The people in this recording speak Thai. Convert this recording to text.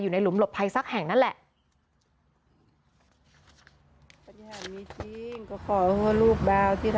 หลุมหลบภัยสักแห่งนั่นแหละ